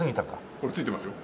これついてますよ。